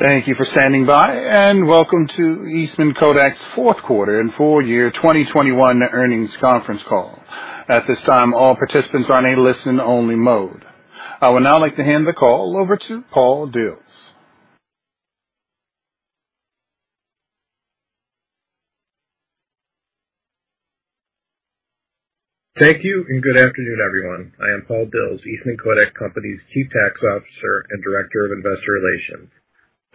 Thank you for standing by, and welcome to Eastman Kodak's fourth quarter and full year 2021 earnings conference call. At this time, all participants are in a listen only mode. I would now like to hand the call over to Paul Dills. Thank you and good afternoon, everyone. I am Paul Dils, Eastman Kodak Company's Chief Tax Officer and Director of Investor Relations.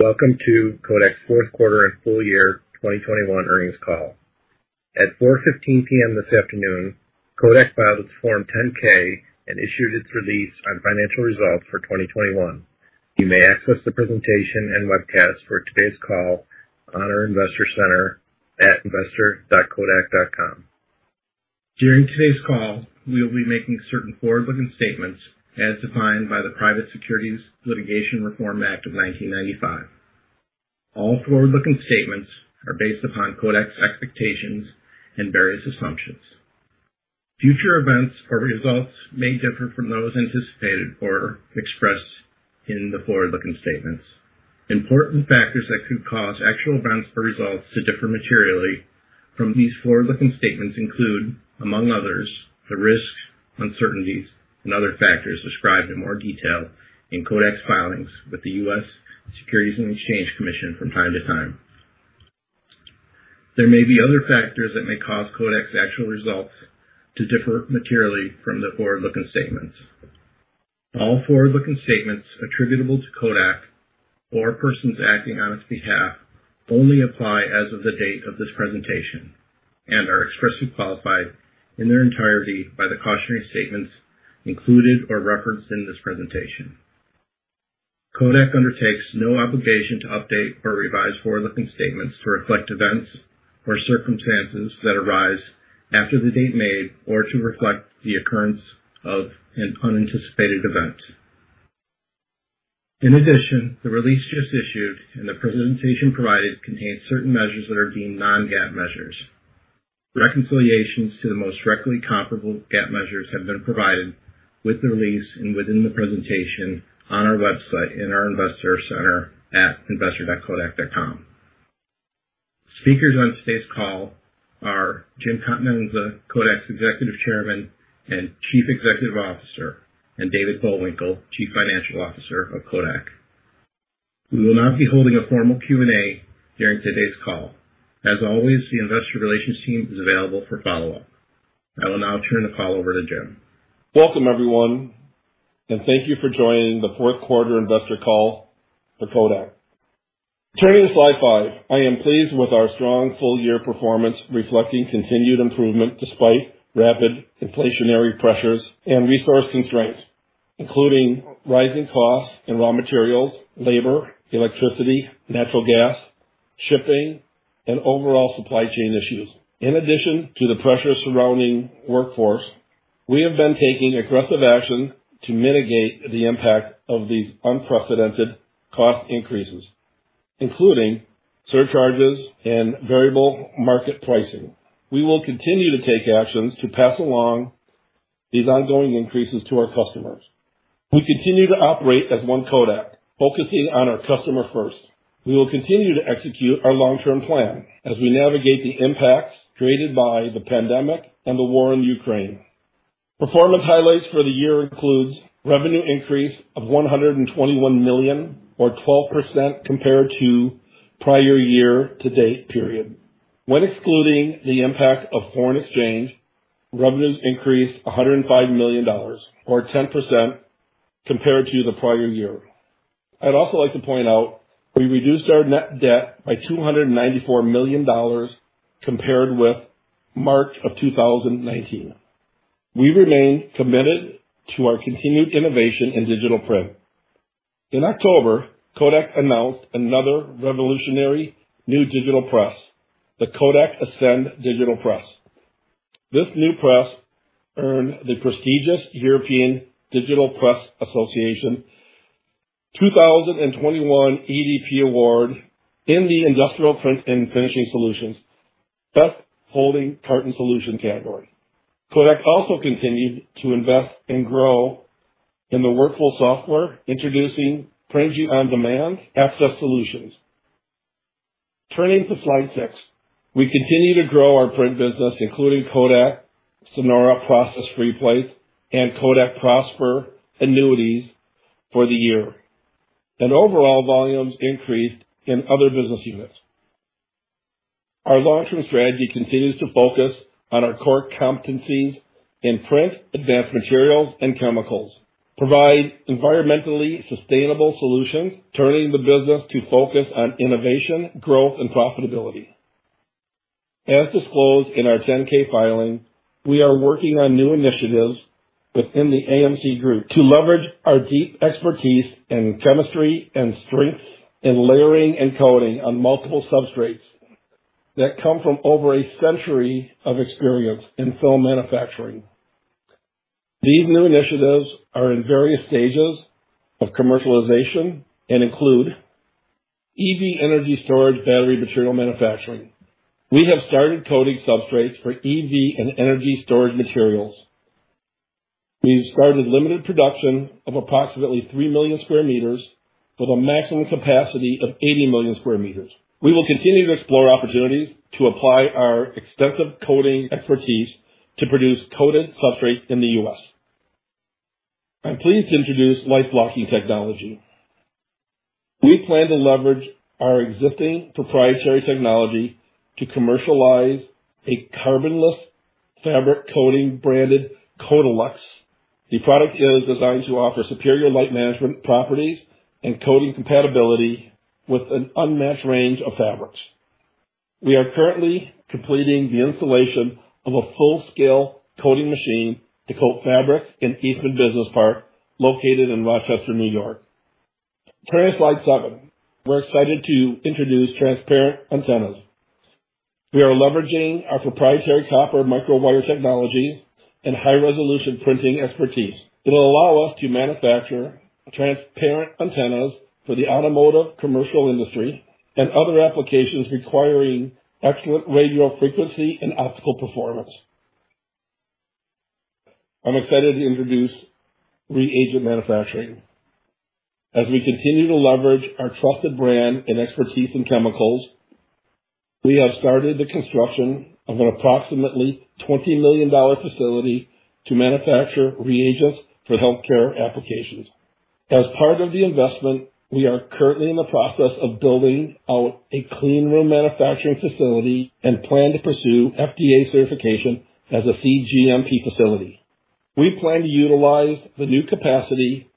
Welcome to Kodak's fourth quarter and full year 2021 earnings call. At 4 P.M. this afternoon, Kodak filed its Form 10-K and issued its release on financial results for 2021. You may access the presentation and webcast for today's call on our investor center at investor.kodak.com. During today's call, we will be making certain forward-looking statements as defined by the Private Securities Litigation Reform Act of 1995. All forward-looking statements are based upon Kodak's expectations and various assumptions. Future events or results may differ from those anticipated or expressed in the forward-looking statements. Important factors that could cause actual events or results to differ materially from these forward-looking statements include, among others, the risks, uncertainties and other factors described in more detail in Kodak's filings with the U.S. Securities and Exchange Commission from time to time. There may be other factors that may cause Kodak's actual results to differ materially from the forward-looking statements. All forward-looking statements attributable to Kodak or persons acting on its behalf only apply as of the date of this presentation and are expressly qualified in their entirety by the cautionary statements included or referenced in this presentation. Kodak undertakes no obligation to update or revise forward-looking statements to reflect events or circumstances that arise after the date made or to reflect the occurrence of an unanticipated event. In addition, the release just issued and the presentation provided contains certain measures that are deemed non-GAAP measures. Reconciliations to the most directly comparable GAAP measures have been provided with the release and within the presentation on our website in our investor center at investor.kodak.com. Speakers on today's call are Jim Continenza, Kodak's Executive Chairman and Chief Executive Officer, and David Bullwinkle, Chief Financial Officer of Kodak. We will not be holding a formal Q&A during today's call. As always, the investor relations team is available for follow-up. I will now turn the call over to Jim. Welcome, everyone, and thank you for joining the fourth quarter investor call for Kodak. Turning to slide five. I am pleased with our strong full year performance, reflecting continued improvement despite rapid inflationary pressures and resource constraints, including rising costs and raw materials, labor, electricity, natural gas, shipping, and overall supply chain issues. In addition to the pressures surrounding workforce, we have been taking aggressive action to mitigate the impact of these unprecedented cost increases, including surcharges and variable market pricing. We will continue to take actions to pass along these ongoing increases to our customers. We continue to operate as one Kodak, focusing on our customer first. We will continue to execute our long term plan as we navigate the impacts created by the pandemic and the war in Ukraine. Performance highlights for the year includes revenue increase of 121 million, or 12% compared to prior year to date period. When excluding the impact of foreign exchange, revenues increased $105 million, or 10% compared to the prior year. I'd also like to point out we reduced our net debt by $294 million compared with March of 2019. We remain committed to our continued innovation in digital print. In October, Kodak announced another revolutionary new digital press, the KODAK ASCEND digital press. This new press earned the prestigious European Digital Press Association 2021 EDP Award in the industrial print and finishing solutions, best folding carton solution category. Kodak also continued to invest and grow in the workflow software, introducing PRINERGY On Demand access solutions. Turning to slide six. We continue to grow our print business, including KODAK SONORA Process Free Plate and KODAK PROSPER annuities for the year. Overall volumes increased in other business units. Our long-term strategy continues to focus on our core competencies in print, Advanced Materials and Chemicals, provide environmentally sustainable solutions, turning the business to focus on innovation, growth and profitability. As disclosed in our 10-K filing, we are working on new initiatives within the AMC group to leverage our deep expertise in chemistry and strengths in layering and coating on multiple substrates that come from over a century of experience in film manufacturing. These new initiatives are in various stages of commercialization and include EV energy storage, battery material manufacturing. We have started coating substrates for EV and energy storage materials. We've started limited production of approximately 3 million sq m with a maximum capacity of 80 million sq m. We will continue to explore opportunities to apply our extensive coating expertise to produce coated substrates in the U.S. I'm pleased to introduce light blocking technology. We plan to leverage our existing proprietary technology to commercialize a carbonless fabric coating branded KODALUX. The product is designed to offer superior light management properties and coating compatibility with an unmatched range of fabrics. We are currently completing the installation of a full-scale coating machine to coat fabric in Eastman Business Park, located in Rochester, New York. Turning to slide seven. We're excited to introduce transparent antennas. We are leveraging our proprietary copper micro wire technology and high-resolution printing expertise. It will allow us to manufacture transparent antennas for the automotive commercial industry and other applications requiring excellent radio frequency and optical performance. I'm excited to introduce reagent manufacturing. As we continue to leverage our trusted brand and expertise in chemicals, we have started the construction of an approximately $20 million facility to manufacture reagents for healthcare applications. As part of the investment, we are currently in the process of building out a clean room manufacturing facility and plan to pursue FDA certification as a cGMP facility. We plan to utilize the new capacity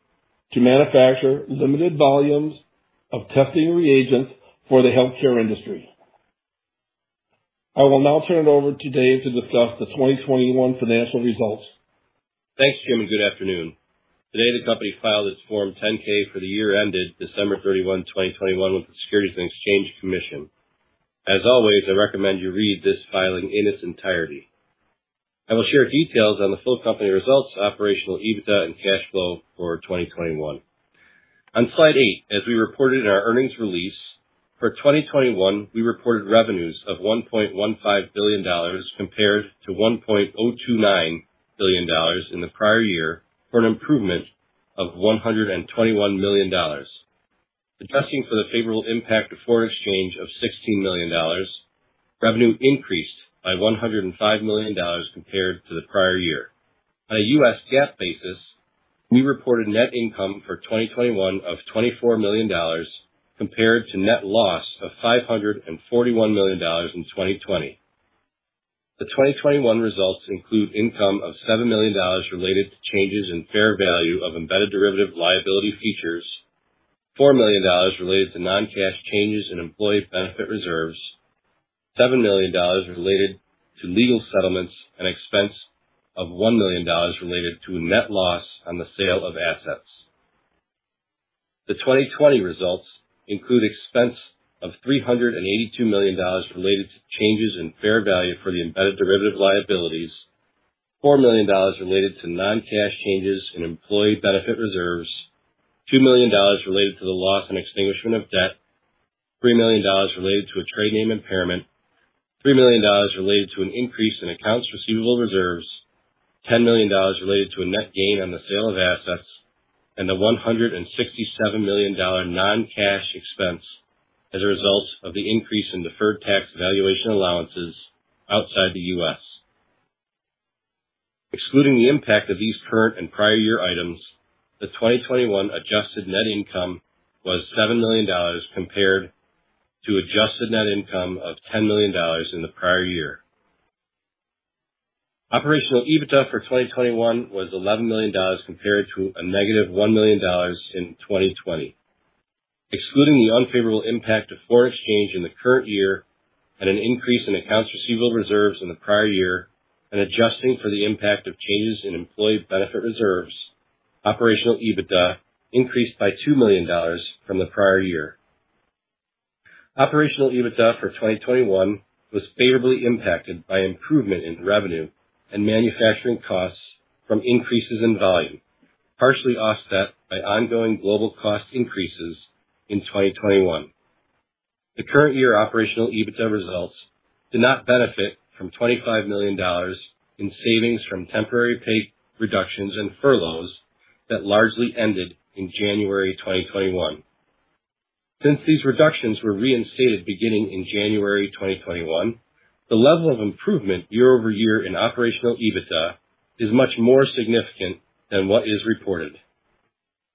to manufacture limited volumes of testing reagents for the healthcare industry. I will now turn it over to David to discuss the 2021 financial results. Thanks, Jim, and good afternoon. Today, the company filed its Form 10-K for the year ended December 31, 2021 with the Securities and Exchange Commission. As always, I recommend you read this filing in its entirety. I will share details on the full company results, operational EBITDA, and cash flow for 2021. On slide eight, as we reported in our earnings release for 2021, we reported revenues of $1.15 billion compared to $1.029 billion in the prior year, for an improvement of $121 million. Adjusting for the favorable impact of foreign exchange of $16 million, revenue increased by $105 million compared to the prior year. On a U.S. GAAP basis, we reported net income for 2021 of $24 million, compared to net loss of $541 million in 2020. The 2021 results include income of $7 million related to changes in fair value of embedded derivative liability features, $4 million related to non-cash changes in employee benefit reserves, $7 million related to legal settlements, and expense of $1 million related to a net loss on the sale of assets. The 2020 results include expense of $382 million related to changes in fair value for the embedded derivative liabilities, $4 million related to non-cash changes in employee benefit reserves, $2 million related to the loss and extinguishment of debt, $3 million related to a trade name impairment, $3 million related to an increase in accounts receivable reserves, $10 million related to a net gain on the sale of assets, and a $167 million non-cash expense as a result of the increase in deferred tax valuation allowances outside the U.S. Excluding the impact of these current and prior year items, the 2021 adjusted net income was $7 million compared to adjusted net income of $10 million in the prior year. Operational EBITDA for 2021 was $11 million compared to -$1 million in 2020. Excluding the unfavorable impact of foreign exchange in the current year and an increase in accounts receivable reserves in the prior year, and adjusting for the impact of changes in employee benefit reserves, operational EBITDA increased by $2 million from the prior year. Operational EBITDA for 2021 was favorably impacted by improvement in revenue and manufacturing costs from increases in volume, partially offset by ongoing global cost increases in 2021. The current year operational EBITDA results did not benefit from $25 million in savings from temporary pay reductions and furloughs that largely ended in January 2021. Since these reductions were reinstated beginning in January 2021, the level of improvement year-over-year in operational EBITDA is much more significant than what is reported.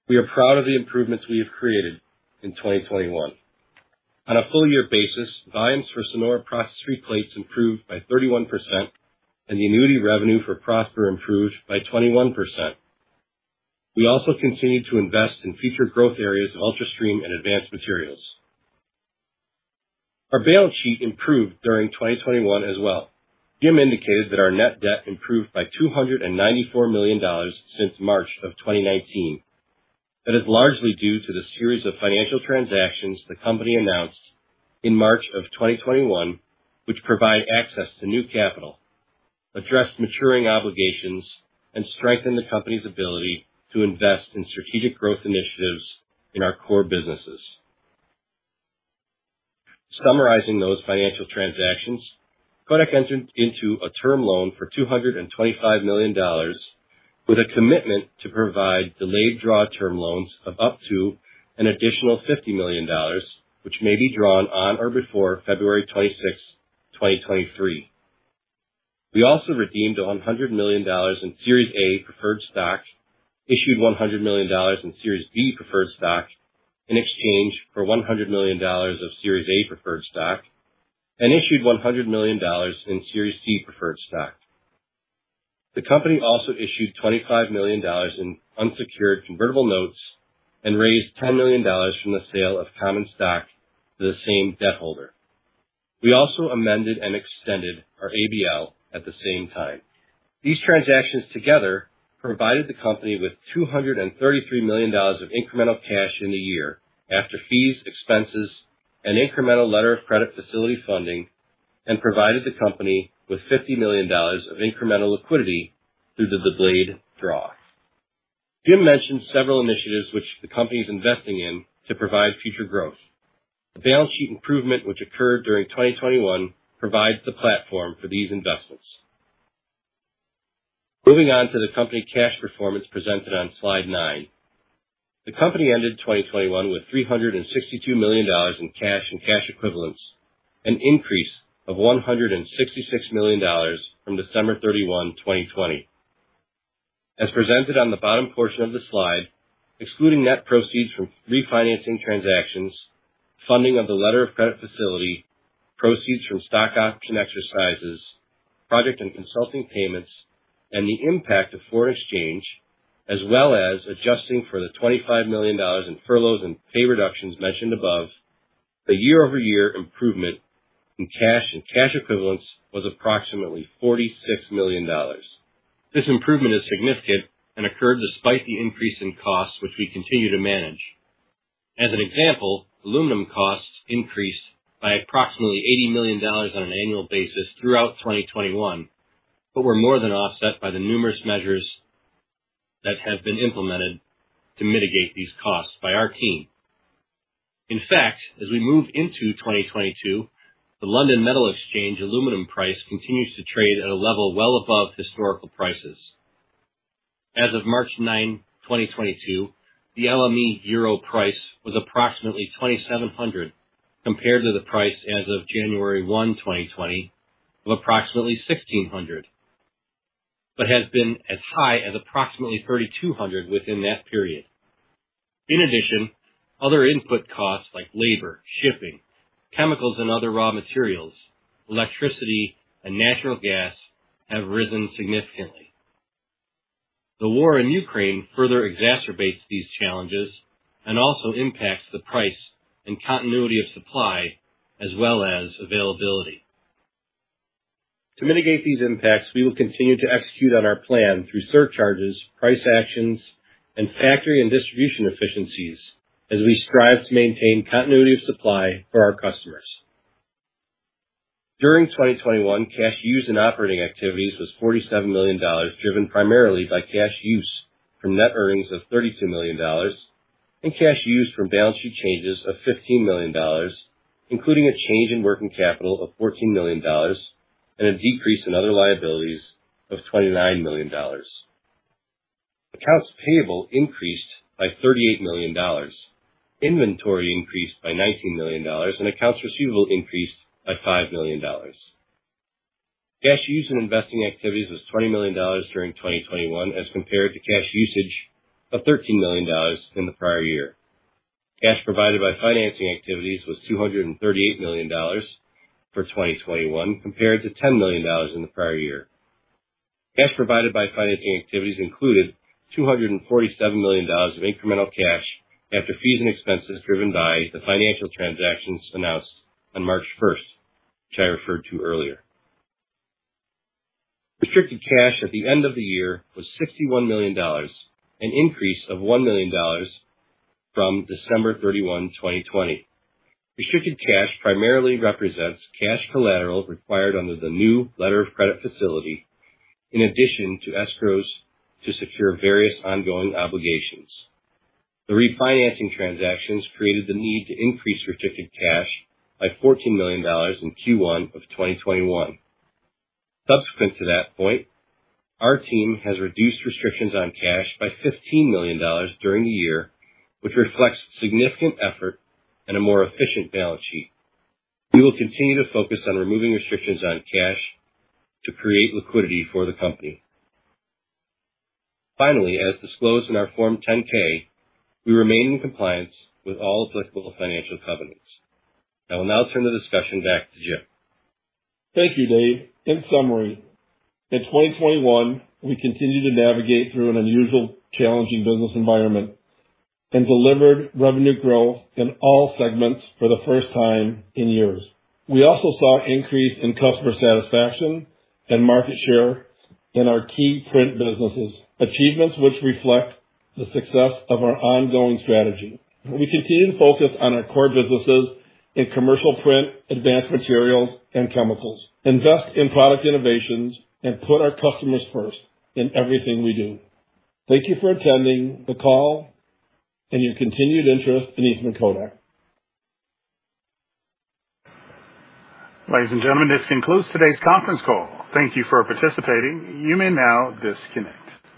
We are proud of the improvements we have created in 2021. On a full year basis, volumes for KODAK SONORA Process Free Plates improved by 31%, and the annuity revenue for KODAK PROSPER improved by 21%. We also continued to invest in future growth areas of ULTRASTREAM and Advanced Materials & Chemicals. Our balance sheet improved during 2021 as well. Jim indicated that our net debt improved by $294 million since March of 2019. That is largely due to the series of financial transactions the company announced in March 2021, which provide access to new capital, address maturing obligations, and strengthen the company's ability to invest in strategic growth initiatives in our core businesses. Summarizing those financial transactions, Kodak entered into a term loan for $225 million with a commitment to provide delayed draw term loans of up to an additional $50 million, which may be drawn on or before February 26, 2023. We also redeemed $100 million in Series A preferred stock, issued $100 million in Series B preferred stock in exchange for $100 million of Series A preferred stock, and issued $100 million in Series C preferred stock. The company also issued $25 million in unsecured convertible notes and raised $10 million from the sale of common stock to the same debt holder. We also amended and extended our ABL at the same time. These transactions together provided the company with $233 million of incremental cash in the year after fees, expenses, and incremental letter of credit facility funding, and provided the company with $50 million of incremental liquidity through the delayed draw. Jim mentioned several initiatives which the company is investing in to provide future growth. The balance sheet improvement which occurred during 2021 provides the platform for these investments. Moving on to the company cash performance presented on slide nine. The company ended 2021 with $362 million in cash and cash equivalents, an increase of $166 million from December 31, 2020. As presented on the bottom portion of the slide, excluding net proceeds from refinancing transactions, funding of the letter of credit facility, proceeds from stock option exercises, project and consulting payments, and the impact of foreign exchange, as well as adjusting for the $25 million in furloughs and pay reductions mentioned above, the year-over-year improvement in cash and cash equivalents was approximately $46 million. This improvement is significant and occurred despite the increase in costs, which we continue to manage. As an example, aluminum costs increased by approximately $80 million on an annual basis throughout 2021, but were more than offset by the numerous measures that have been implemented to mitigate these costs by our team. In fact, as we move into 2022, the London Metal Exchange aluminum price continues to trade at a level well above historical prices. As of March 9, 2022, the LME EUR price was approximately 2,700, compared to the price as of January 1, 2020, of approximately 1,600, but has been as high as approximately 3,200 within that period. In addition, other input costs like labor, shipping, chemicals, and other raw materials, electricity, and natural gas have risen significantly. The war in Ukraine further exacerbates these challenges and also impacts the price and continuity of supply as well as availability. To mitigate these impacts, we will continue to execute on our plan through surcharges, price actions, and factory and distribution efficiencies as we strive to maintain continuity of supply for our customers. During 2021, cash used in operating activities was $47 million, driven primarily by cash use from net earnings of $32 million and cash used from balance sheet changes of $15 million, including a change in working capital of $14 million and a decrease in other liabilities of $29 million. Accounts payable increased by $38 million. Inventory increased by $19 million, and accounts receivable increased by $5 million. Cash used in investing activities was $20 million during 2021, as compared to cash usage of $13 million in the prior year. Cash provided by financing activities was $238 million for 2021, compared to $10 million in the prior year. Cash provided by financing activities included $247 million of incremental cash after fees and expenses driven by the financial transactions announced on March 1, which I referred to earlier. Restricted cash at the end of the year was $61 million, an increase of $1 million from December 31, 2020. Restricted cash primarily represents cash collateral required under the new letter of credit facility in addition to escrows to secure various ongoing obligations. The refinancing transactions created the need to increase restricted cash by $14 million in Q1 of 2021. Subsequent to that point, our team has reduced restrictions on cash by $15 million during the year, which reflects significant effort and a more efficient balance sheet. We will continue to focus on removing restrictions on cash to create liquidity for the company. Finally, as disclosed in our Form 10-K, we remain in compliance with all applicable financial covenants. I will now turn the discussion back to Jim. Thank you, Dave. In summary, in 2021, we continued to navigate through an unusual, challenging business environment and delivered revenue growth in all segments for the first time in years. We also saw increase in customer satisfaction and market share in our key print businesses, achievements which reflect the success of our ongoing strategy. We continue to focus on our core businesses in commercial print, Advanced Materials and Chemicals, invest in product innovations, and put our customers first in everything we do. Thank you for attending the call and your continued interest in Eastman Kodak. Ladies and gentlemen, this concludes today's conference call. Thank you for participating. You may now disconnect.